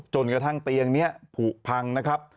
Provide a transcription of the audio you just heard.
จนกระทั่งเตียงนี้ผูกพังนะครับ